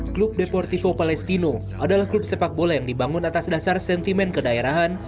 klub deportivo palestino adalah klub sepak bola yang dibangun atas dasar sentimen kedaerahan